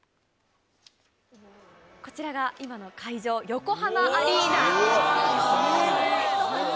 こちらが今の会場、横浜アリーナですね。